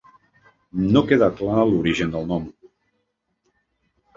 No queda clar l'origen del nom.